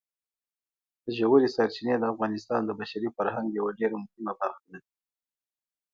ژورې سرچینې د افغانستان د بشري فرهنګ یوه ډېره مهمه برخه ده.